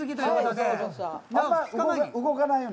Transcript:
あまり動かないように。